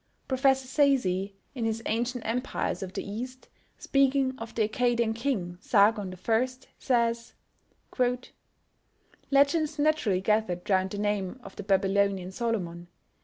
Professor Sayce, in his Ancient Empires of the East, speaking of the Accadian king, Sargon I., says: Legends naturally gathered round the name of the Babylonian Solomon.